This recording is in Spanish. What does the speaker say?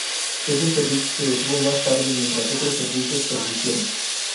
Ese servicio se detuvo más tarde mientras otros servicios persistieron.